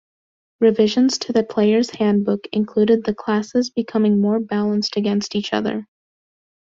Revisions to the "Player's Handbook" included the classes becoming more balanced against each other.